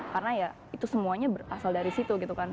karena ya itu semuanya berasal dari situ gitu kan